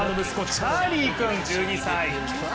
チャーリー君、１２歳。